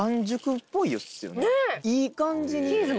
いい感じに。